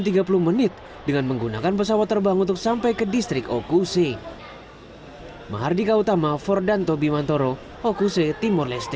tiga puluh menit dengan menggunakan pesawat terbang untuk sampai ke distrik okusi